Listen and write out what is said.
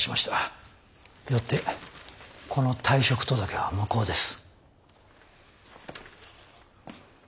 よってこの退職届は無効です。